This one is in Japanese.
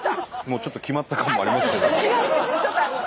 もうちょっと決まった感もありますけども。